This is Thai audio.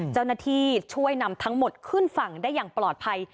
เจ้าหน้าที่ช่วยนำทั้งหมดขึ้นฝั่งได้อย่างปลอดภัย